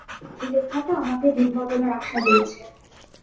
লেখাটা আমাকে দিনবদলের আশা দিয়েছে।